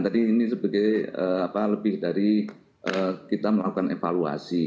tadi ini sebagai lebih dari kita melakukan evaluasi